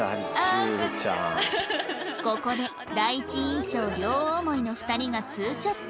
ここで第一印象両思いの２人が２ショット